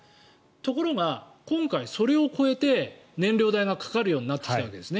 ところが今回、それを越えて燃料代がかかるようになってきたわけです。